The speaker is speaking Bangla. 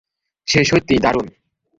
সে সত্যিই দারুন।